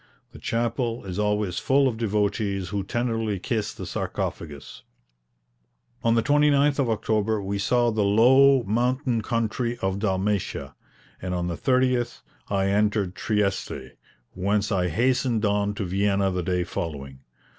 The chapel is always full of devotees who tenderly kiss the sarcophagus. On the 29th of October we saw the low mountain country of Dalmatia, and on the 30th I entered Trieste, whence I hastened on to Vienna the day following.